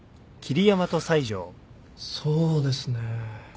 そうですね。